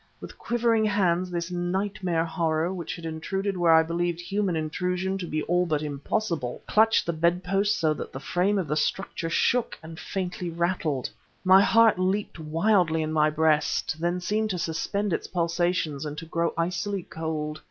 With quivering hands this night mare horror, which had intruded where I believed human intrusion to be all but impossible, clutched the bed posts so that the frame of the structure shook and faintly rattled.... My heart leapt wildly in my breast, then seemed to suspend its pulsations and to grow icily cold.